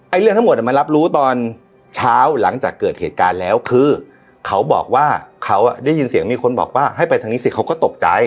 เรื่องทั้งหมดมันรับรู้ตอนเช้าหลังจากเกิดเหตุการณ์แล้วคือเขาบอกว่าเขาได้ยินเสียงมีคนบอกว่าให้ไปทางนี้สิเขาก็ตกใจ